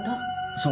そう。